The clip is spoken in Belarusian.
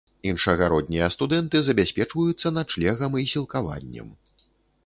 Іншагароднія студэнты забяспечваюцца начлегам і сілкаваннем.